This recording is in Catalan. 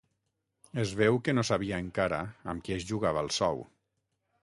Es veu que no sabia encara amb qui es jugava el sou.